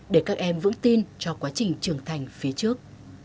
để các em vững tin cho quá trình trưởng thành phía trước